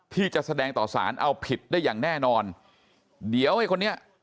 ที่จะแสดงต่อสารเอาผิดได้อย่างแน่นอนเดี๋ยวไอ้คนนี้